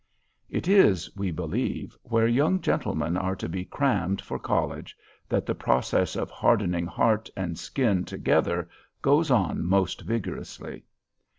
It is, we believe, where young gentlemen are to be crammed for college, that the process of hardening heart and skin together goes on most vigorously.